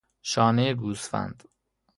شانهی گوسفند